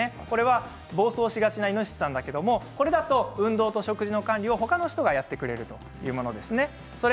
暴走しそうなイノシシさんだけれども、これだと運動と食事の管理を他の人がやってくれるというものです。